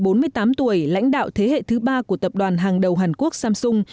ông jay lee bốn mươi tám tuổi lãnh đạo thế hệ thứ ba của tập đoàn hàng đầu hàn quốc samsung